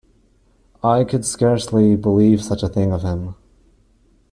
I could scarcely believe such a thing of him.